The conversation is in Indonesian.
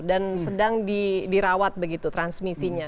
dan sedang dirawat begitu transmisinya